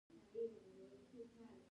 رباب د پښتنو د روح غږ دی.